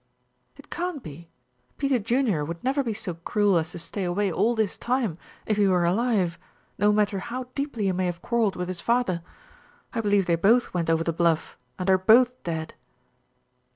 "It can't be. Peter Junior would never be so cruel as to stay away all this time, if he were alive, no matter how deeply he may have quarreled with his father. I believe they both went over the bluff and are both dead."